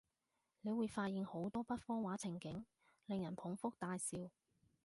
你會發現好多北方話情景，令人捧腹大笑